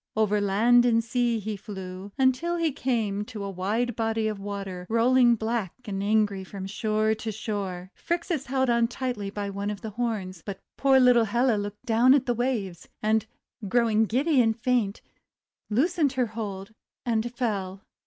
Over land and sea he flew, until he came to a wide body of water, rolling black and angry from shore to shore. Phrixus held on tightly by one of the horns; but poor little Helle looked down RAM WITH GOLDEN FLEECE 385 at the waves, and, growing giddy and faint, loosened her hold and fell.